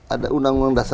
ada undang undang dasar